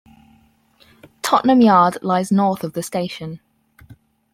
Tottenham Yard lies north of the station.